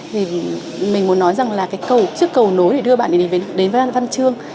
thì mình muốn nói rằng là cái cầu chiếc cầu nối để đưa bạn đến văn chương